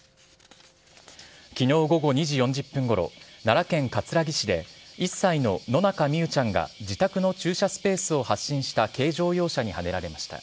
きのう午後２時４０分ごろ、奈良県葛城市で、１歳の野中美佑ちゃんが自宅の駐車スペースを発進した軽乗用車にはねられました。